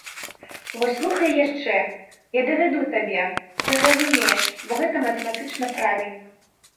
Вось слухай яшчэ, я давяду табе, ты зразумееш, бо гэта матэматычна правільна.